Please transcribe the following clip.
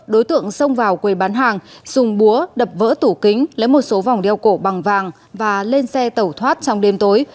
đối tượng xông vào quầy bán hàng dùng búa đập vỡ tủ kính lấy một số vòng đeo cổ bằng vàng và lên xe tẩu thoát trong đêm tối